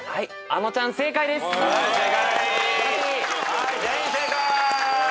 はい全員正解！